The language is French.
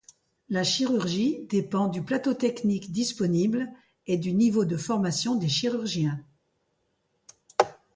La chirurgie dépend du plateau technique disponible et du niveau de formation des chirurgiens.